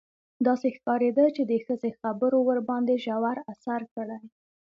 داسې ښکارېده چې د ښځې خبرو ورباندې ژور اثر کړی.